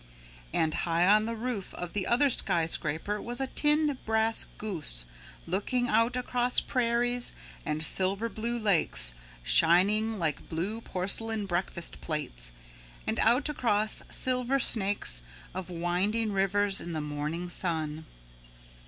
And high on the roof of the other skyscraper was a tin brass goose looking out across prairies, and silver blue lakes shining like blue porcelain breakfast plates, and out across silver snakes of winding rivers in the morning sun.